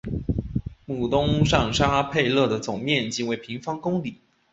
穆东上沙佩勒的总面积为平方公里。